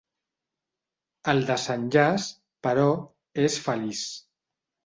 El desenllaç, però, és feliç.